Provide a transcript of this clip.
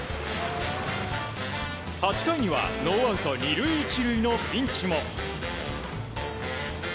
８回にはノーアウト２塁１塁のピンチも。